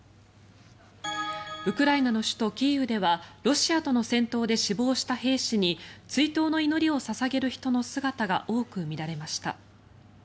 ウクライナの首都キーウではロシアとの戦闘で死亡した兵士に追悼の祈りを捧げる人の姿が多く見られました。